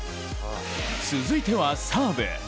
続いては、サーブ。